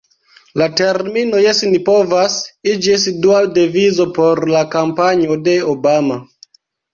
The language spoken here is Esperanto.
La termino "Jes ni povas" iĝis dua devizo por la kampanjo de Obama.